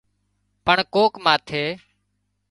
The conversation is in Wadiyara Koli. پڻ ڪوڪ ماٿي